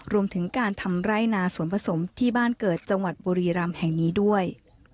รวมถึงการทำไร่นาสวนผสมที่บ้านเกิดจังหวัดบุรีรำแห่งนี้ด้วย